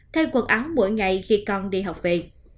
thay quần áo mỗi ngày khi con đi học về